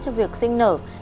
cho việc sinh nở